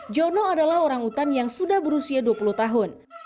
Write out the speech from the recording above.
jono adalah orangutan yang sudah berusia dua puluh tahun